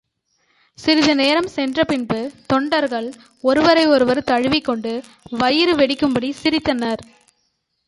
சிறிது தூரம் சென்ற பின்பு தொண்டர்கள் ஒருவரையொருவர் தழுவிக் கொண்டு வயிறு வெடிக்கும்படி சிரித்தனர்.